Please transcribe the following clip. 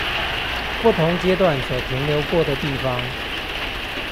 不同階段所停留過的地方